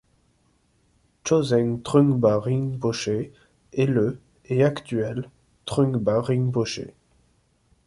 Choseng Trungpa Rinpoché est le et actuel Trungpa Rinpoché.